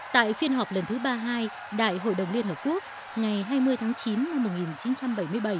tại phiên họp lần thứ ba mươi hai đại hội đồng liên hợp quốc ngày hai mươi tháng chín năm một nghìn chín trăm bảy mươi bảy